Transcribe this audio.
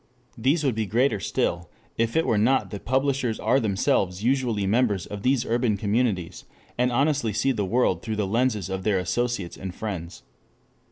These would be greater still if it were not that publishers are themselves usually members of these urban communities, and honestly see the world through the lenses of their associates and friends.